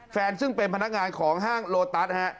แฟนซึ่งเป็นพนักงานของห้างโลตัส